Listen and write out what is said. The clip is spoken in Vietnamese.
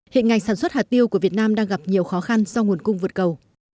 hiện ngành sản xuất hạt tiêu của việt nam đang gặp nhiều khó khăn do nguồn cung vượt cầu